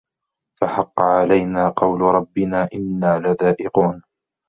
فَحَقَّ عَلَينا قَولُ رَبِّنا إِنّا لَذائِقونَ